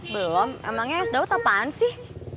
belom emangnya es dawet apaan sih